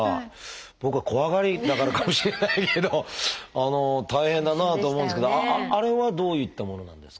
僕が怖がりだからかもしれないけど大変だなあと思うんですけどあれはどういったものなんですか？